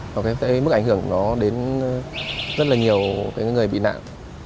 và mức ảnh hưởng nó đến rất là nhiều người bị nạn